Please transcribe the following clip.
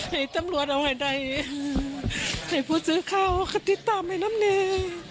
ให้ตำรวจเอาให้ได้ให้ผู้ซื้อข้าวก็ติดตามให้น้ำแดง